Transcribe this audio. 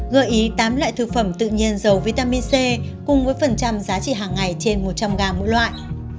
gợi ý tám loại thực phẩm tự nhiên dầu vitamin c cùng với phần trăm giá trị hàng ngày trên một trăm linh gram mỗi loại